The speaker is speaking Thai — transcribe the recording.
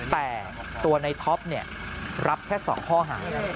แต่ตัวในท็อปรับแค่๒ข้อหา